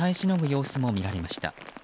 様子も見られました。